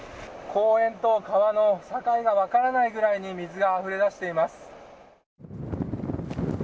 公園と川の境が分からないぐらい水があふれ出しています。